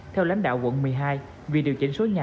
theo lãnh đạo quận một mươi hai vì điều chỉnh số nhà